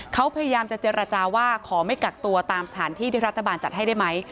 เขาพยายามจะเจรจาว่าขอไม่กักตัวตามสถานที่ที่รัฐบาลจัดให้ได้ไหม